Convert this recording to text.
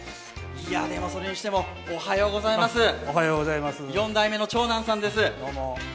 それにしてもおはようございます、４代目の長南さんです。